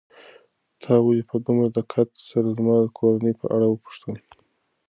تا ولې په دومره دقت سره زما د کورنۍ په اړه وپوښتل؟